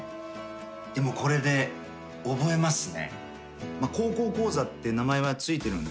でも、これで覚えますね。